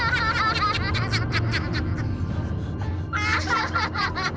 kau sudah bingung sekarang